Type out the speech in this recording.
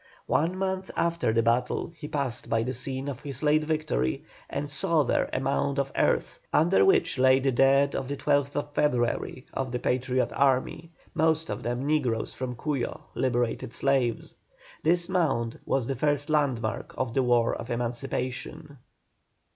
One month after the battle he passed by the scene of his late victory, and saw there a mound of earth, under which lay the dead of the 12th February of the Patriot army, most of them negroes from Cuyo, liberated slaves. This mound was the first landmark of the War of Emancipation.